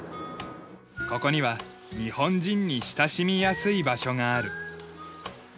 ここには日本人に親しみやすい場所がある。